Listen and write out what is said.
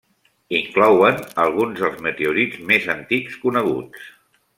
Inclouen alguns dels meteorits més antics coneguts.